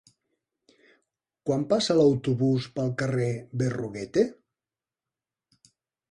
Quan passa l'autobús pel carrer Berruguete?